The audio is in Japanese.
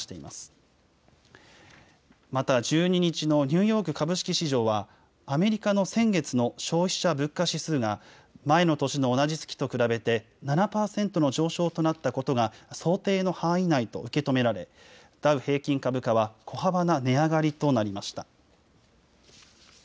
また１２日のニューヨーク株式市場はアメリカの先月の消費者物価指数が前の年の同じ月と比べて７％の上昇となったことが想定の範囲内と受け止められダウ平均株価は小幅な値上がりとなりました。